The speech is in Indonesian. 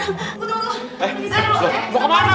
eh mau kemana